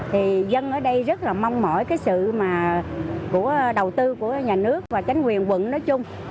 thì dân ở đây rất là mong mỏi sự đầu tư của nhà nước và chánh quyền quận nói chung